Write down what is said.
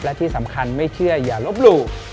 และที่สำคัญไม่เชื่ออย่าลบหลู่